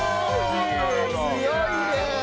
強いね。